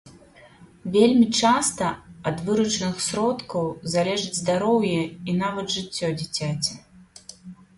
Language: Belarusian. Вельмі часта ад выручаных сродках залежыць здароўе і нават жыццё дзіцяці.